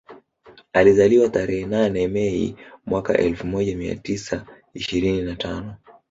Alizaliwa tarehe nane Mei mwaka elfu moja mia tisa ishirini na tano